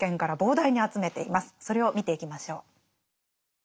それを見ていきましょう。